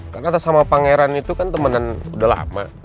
karena ata sama pangeran itu kan temenan udah lama